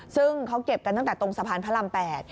ซึ่งเขาเก็บกันตั้งแต่ตรงสะพานพระราม๘